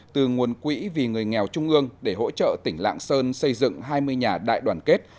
từ nguồn quỹ vì người nghèo trung ương để hỗ trợ tỉnh lạng sơn xây dựng hai mươi nhà đại đoàn kết